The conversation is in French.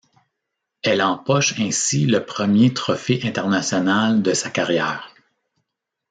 Elle empoche ainsi le premier trophée international de sa carrière.